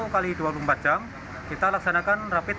satu x dua puluh empat jam kita laksanakan rapid